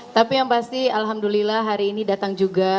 tapi yang pasti alhamdulillah hari ini datang juga